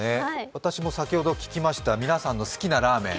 私も先ほど聞きました、皆さんの好きなラーメン。